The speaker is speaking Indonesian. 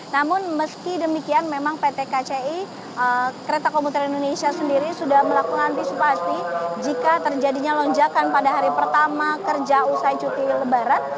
namun meski demikian memang pt kci kereta komuter indonesia sendiri sudah melakukan antisipasi jika terjadinya lonjakan pada hari pertama kerja usai cuti lebaran